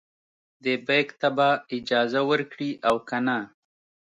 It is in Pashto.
دې بیک ته به اجازه ورکړي او کنه.